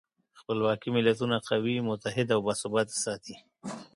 خپلواکي ملتونه قوي، متحد او باثباته ساتي.